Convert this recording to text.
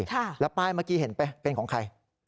แล้วป้ายเมื่อกี้เห็นไปเป็นของใคร